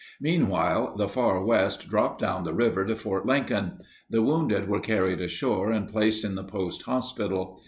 Meanwhile, the Far West dropped down the river to Fort Lincoln. The wounded were carried ashore and placed in the post hospital.